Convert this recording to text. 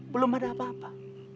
belum ada apa apa